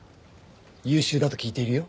優秀だと聞いているよ。